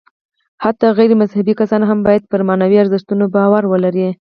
حتی غیر مذهبي کسان هم باید پر معنوي ارزښتونو باور ولري.